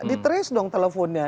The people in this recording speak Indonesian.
ditrace dong teleponnya